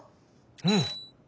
うん！